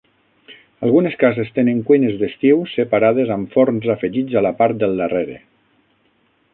Algunes cases tenen cuines d'estiu separades amb forns afegits a la part del darrere.